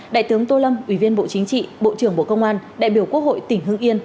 đại tướng tô lâm ủy viên bộ chính trị bộ trưởng bộ công an đại biểu quốc hội tỉnh hưng yên